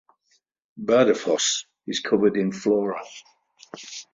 Bardufoss is covered in flora.